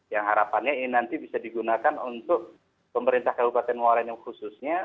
yang harapannya ini nanti bisa digunakan untuk pemerintah kabupaten muara ini khususnya